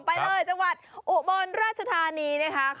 ไปเลยจังหวัดโอบรรณราชธานี